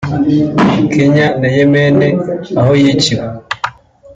Kenya na Yemen aho yiciwe